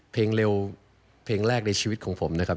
เพลงเร็วเพลงแรกในชีวิตของผมนะครับ